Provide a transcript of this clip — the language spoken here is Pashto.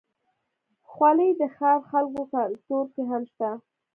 خولۍ د ښاري خلکو کلتور کې هم شته.